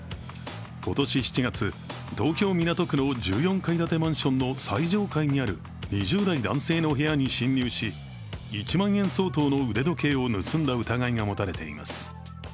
今年７月、東京・港区の１４階建てマンションの最上階にある２０代男性の部屋に侵入し、１万円相当の腕時計を盗んだ疑いが持たれています。